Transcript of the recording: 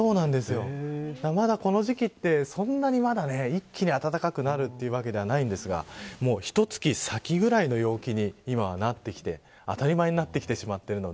まだ、この時期って、そんなに一気に暖かくなるというわけではないんですがひと月先ぐらいの陽気に今はなってきて当たり前になってきてしまっているので。